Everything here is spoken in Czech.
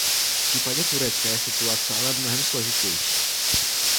V případě Turecka je situace ale mnohem složitější.